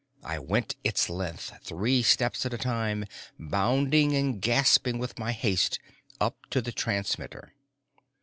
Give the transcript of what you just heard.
I went its length, three steps at a time, bounding and gasping with my haste, up to the transmitter.